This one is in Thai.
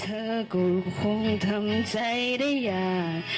เธอก็คงทำใจได้ยาก